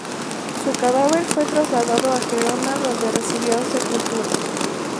Su cadáver fue trasladado a Gerona donde recibió sepultura.